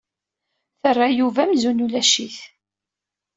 Terra Yuba amzun ulac-it.